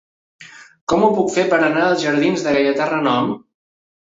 Com ho puc fer per anar als jardins de Gaietà Renom?